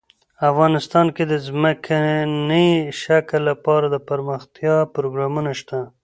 افغانستان کې د ځمکنی شکل لپاره دپرمختیا پروګرامونه شته.